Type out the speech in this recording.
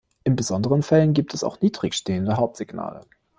In besonderen Fällen gibt es auch niedrig stehende Hauptsignale.